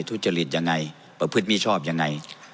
ทุจริตอย่างไรประพฤติมิชชอบอย่างไร